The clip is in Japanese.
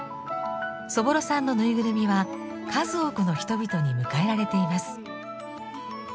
そぼろさんのぬいぐるみは数多くの人々に迎えられています。